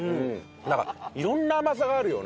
なんか色んな甘さがあるよね。